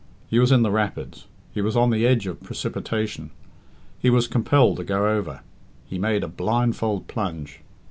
He was in the rapids. He was on the edge of precipitation. He was compelled to go over. He made a blindfold plunge.